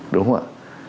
đúng không ạ